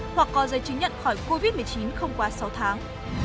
hoặc có giấy chứng nhận khỏi covid một mươi chín không quá sáu tháng